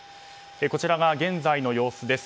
こちらが現在の様子です。